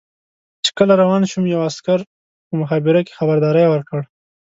چې کله روان شوم یوه عسکر په مخابره کې خبرداری ورکړ.